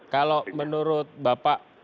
kalau menurut bapak